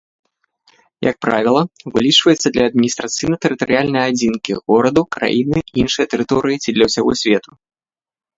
Як правіла, вылічваецца для адміністрацыйна-тэрытарыяльнай адзінкі, горада, краіны, іншай тэрыторыі ці для ўсяго свету.